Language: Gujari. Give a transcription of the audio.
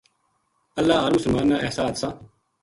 اللہ ہر مسلمان نا ایسا حادثاں